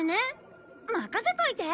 任せといて！